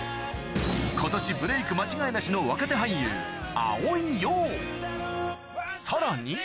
今年ブレイク間違いなしの若手さらに